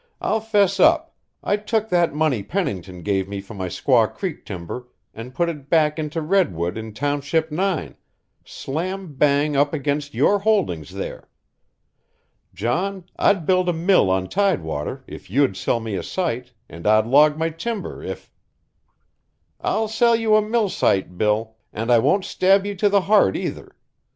I'll 'fess up. I took that money Pennington gave me for my Squaw Creek timber and put it back into redwood in Township Nine, slam bang up against your holdings there. John, I'd build a mill on tidewater if you'd sell me a site, and I'd log my timber if " "I'll sell you a mill site, Bill, and I won't stab you to the heart, either.